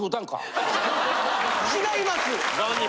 違います。